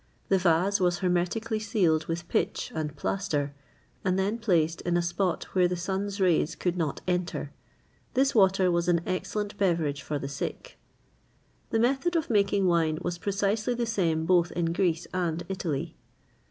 The vase was hermetically sealed with pitch and plaster, and then placed in a spot where the sun's rays could not enter. This water was an excellent beverage for the sick.[XXVIII 43] The method of making wine was precisely the same both in Greece and Italy.